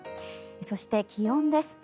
そして、気温です。